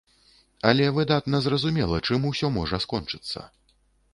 Але выдатна разумела, чым усё можа скончыцца.